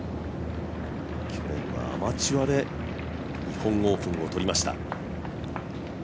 去年はアマチュアで日本オープンを取りました。